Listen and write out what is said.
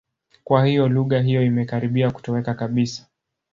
Kwa hiyo lugha hiyo imekaribia kutoweka kabisa.